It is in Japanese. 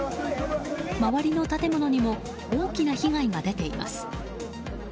周りの建物にも大きな被害が出ています。